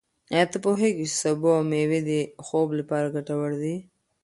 ایا ته پوهېږې چې سبو او مېوې د خوب لپاره ګټور دي؟